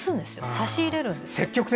差し入れるんです。